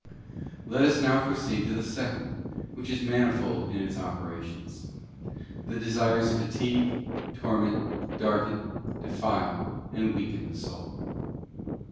Let us now proceed to the second, which is manifold in its operations. The desires fatigue, torment, darken, defile and weaken the soul.